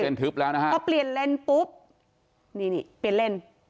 มีเส้นทึบแล้วนะคะก็เปลี่ยนเลนส์ปุ๊บนี่นี่เปลี่ยนเลนส์